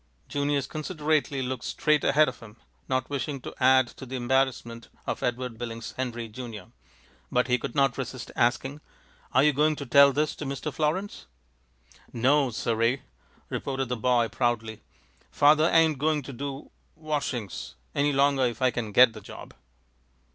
Junius considerately looked straight ahead of him, not wishing to add to the embarrassment of Edward Billings Henry, Junior, but he could not resist asking, "Are you going to tell this to Mr. Florins?" "No sir ee!" responded the boy, proudly. "Father ain't going to do washings any longer if I can get the job."